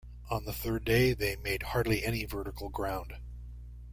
On the third day they made hardly any vertical ground.